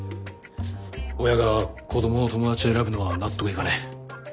親が子どもの友達を選ぶのは納得いかねえ。